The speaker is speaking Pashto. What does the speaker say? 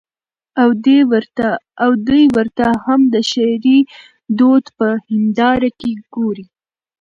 او دى ورته هم د شعري دود په هېنداره کې ګوري.